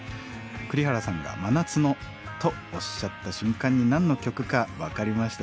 「栗原さんが『真夏の』とおっしゃった瞬間に何の曲か分かりました」。